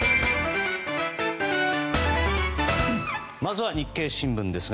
まずは日経新聞です。